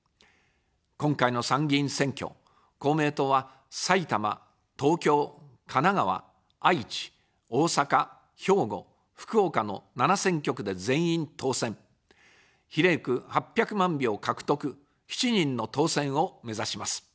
今回の参議院選挙、公明党は、埼玉・東京・神奈川・愛知・大阪・兵庫・福岡の７選挙区で全員当選、比例区８００万票獲得、７人の当選をめざします。